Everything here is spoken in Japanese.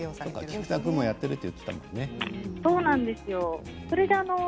菊田君もやっていると言っていたもんね。